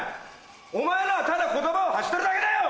お前のはただ言葉を発してるだけだよ！